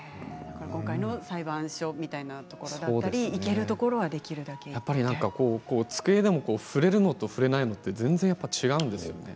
今回の裁判所みたいなところだったり行けるところは机でも触れるのと触れないのでは全然違うんですよね。